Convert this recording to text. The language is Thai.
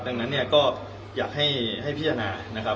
ดังนั้นเนี่ยก็อยากให้พิจารณานะครับ